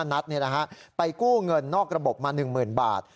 ยิง๕นัทนะครับไปกู้เงินนอกระบบมา๑๐๐๐๐บาท